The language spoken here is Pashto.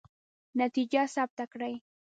نتیجه ثبت کړئ.